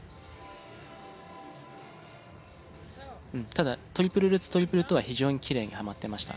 ただトリプルルッツトリプルトーは非常にキレイにはまってました。